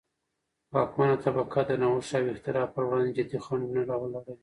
واکمنه طبقه د نوښت او اختراع پروړاندې جدي خنډونه را ولاړوي.